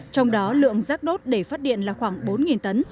trong đó lượng rác đốt để phát điện là khoảng bốn tấn